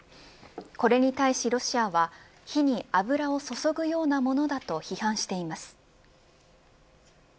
これに対しロシアは火に油を注ぐようなものだと批判しています。